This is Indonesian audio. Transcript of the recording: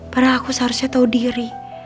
padahal aku seharusnya tahu diri